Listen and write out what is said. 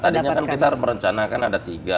tadinya kan kita merencanakan ada tiga